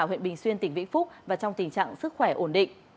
ở huyện bình xuyên tỉnh vĩnh phúc và trong tình trạng sức khỏe ổn định